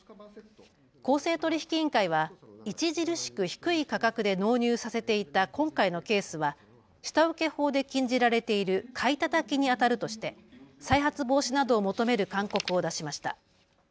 公正取引委員会は著しく低い価格で納入させていた今回のケースは下請け法で禁じられている買いたたきにあたるとして再発防止などを求める勧告を出しました。